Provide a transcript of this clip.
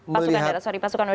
pasukan darat sorry pasukan udara